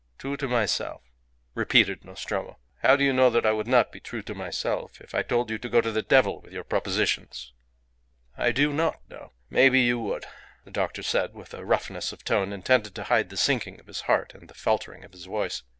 "True to myself," repeated Nostromo. "How do you know that I would not be true to myself if I told you to go to the devil with your propositions?" "I do not know. Maybe you would," the doctor said, with a roughness of tone intended to hide the sinking of his heart and the faltering of his voice.